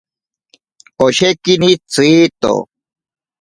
Oshekini tsiito.